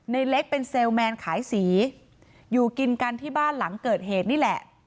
ในเล็กเป็นเซลลแมนขายสีอยู่กินกันที่บ้านหลังเกิดเหตุนี่แหละ